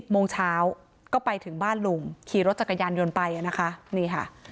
โมงเช้าก็ไปถึงบ้านลุงขี่รถจักรยานยนต์ไปนะคะนี่ค่ะ